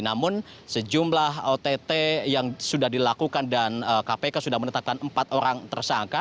namun sejumlah ott yang sudah dilakukan dan kpk sudah menetapkan empat orang tersangka